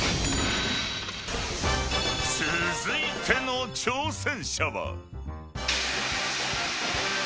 ［続いての挑戦者は］